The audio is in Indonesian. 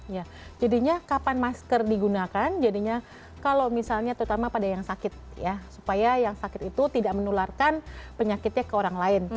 ya jadinya kapan masker digunakan jadinya kalau misalnya terutama pada yang sakit ya supaya yang sakit itu tidak menularkan penyakitnya ke orang lain